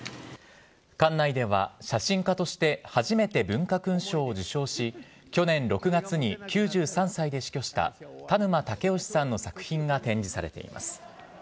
館内では写真家として初めて文化勲章を受章し、去年６月に９３歳で死去した田沼武能さんの作品が展示されています。